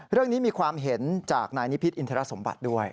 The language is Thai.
เรื่องนี้มีความเห็นจากนายนิพิธิ์อินทรสมบัติด้วย